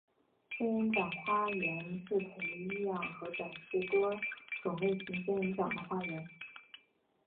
仙人掌花园是培养和展示多种类型仙人掌的花园。